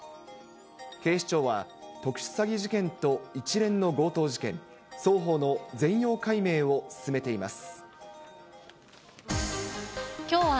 警視庁は、特殊詐欺事件と一連の強盗事件、双方の全容解明を進めています。